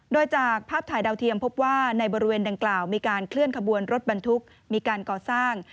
โดยจากภาพถ่ายดาวเทียมพบว่าในบริเวณดังกล่าวมีการเคลื่อนขบวนรถบรรทุกมีการก่อสร้าง